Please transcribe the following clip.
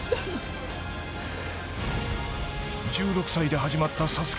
１６歳で始まったＳＡＳＵＫＥ